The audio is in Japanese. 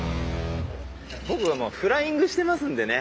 僕はフライングしてますんでね。